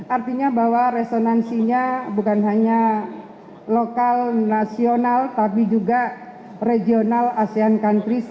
artinya bahwa resonansinya bukan hanya lokal nasional tapi juga regional asean countries